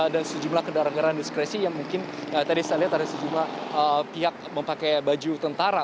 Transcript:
dan sejumlah kendaraan kendaraan diskresi yang mungkin tadi saya lihat ada sejumlah pihak memakai baju tentara